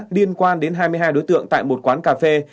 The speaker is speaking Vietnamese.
liên quan đến hai mươi hai đối tượng tại một quán cà phê